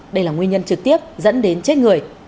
đây là nguyên nhân trực tiếp dẫn đến chết người